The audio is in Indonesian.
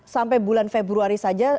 sampai bulan februari saja